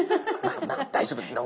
大丈夫！